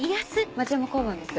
町山交番です。